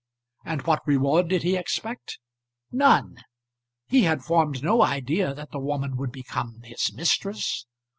And what reward did he expect? None. He had formed no idea that the woman would become his mistress.